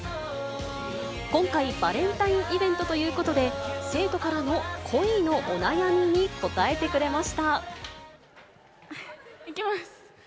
今回、バレンタインイベントということで、生徒からの恋のお悩みいきます。